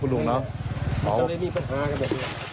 ก็ได้มีปัญหากับพวกนี้